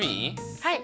はい。